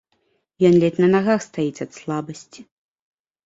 Ён ледзь на нагах стаіць ад слабасці.